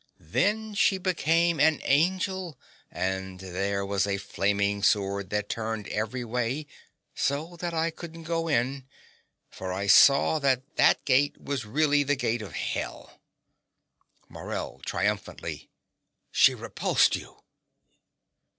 Then she became an angel; and there was a flaming sword that turned every way, so that I couldn't go in; for I saw that that gate was really the gate of Hell. MORELL (triumphantly). She repulsed you!